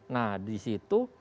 nah di situ